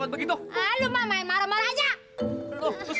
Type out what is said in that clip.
terus barang aja lu